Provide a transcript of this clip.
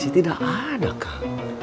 tidak ada kak